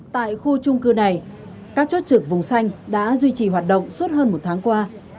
tại khu trung cư này các chốt trực vùng xanh đã duy trì hoạt động suốt hơn một tháng qua